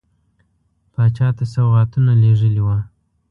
پاچا ته سوغاتونه لېږلي وه.